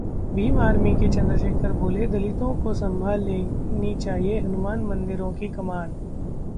Bhim army के चंद्रशेखर बोले- दलितों को संभाल लेनी चाहिए हनुमान मंदिरों की कमान